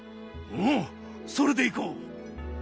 うんそれでいこう。